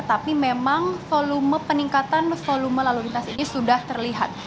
tapi memang volume peningkatan volume lalu lintas ini sudah terlihat